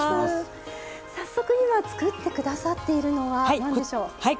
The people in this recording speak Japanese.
早速、今作ってくださってるのはなんでしょう。